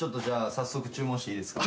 早速注文していいですか？